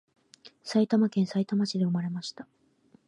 埼玉県さいたま市で産まれました